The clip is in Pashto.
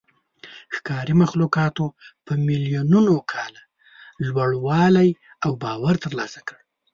ښکاري مخلوقاتو په میلیونونو کاله لوړوالی او باور ترلاسه کړ.